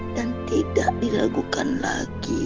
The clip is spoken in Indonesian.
dan tidak diragukan lagi